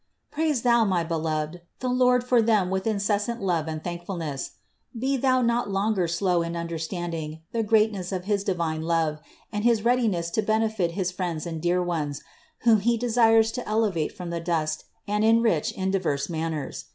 Praise thou, my beloved, the Lord for them with inces sant love and thankfulness. Be thou not any longer slow in understanding the greatness of his divine love and his readiness to benefit his friends and dear ones, whom He desires to elevate from the dust and enrich in diverse manners.